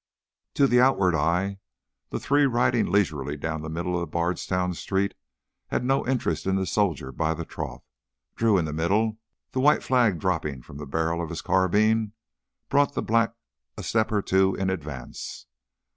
To the outward eye the three riding leisurely down the middle of the Bardstown street had no interest in the soldiers by the trough. Drew in the middle, the white rag dropping from the barrel of his carbine, brought the black a step or two in advance.